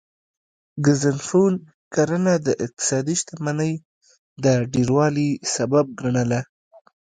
ګزنفون کرنه د اقتصادي شتمنۍ د ډیروالي سبب ګڼله